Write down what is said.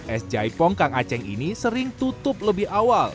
es jaipong kang aceh ini sering tutup lebih awal